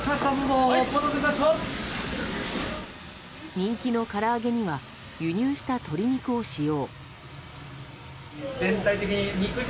人気のから揚げには輸入した鶏肉を使用。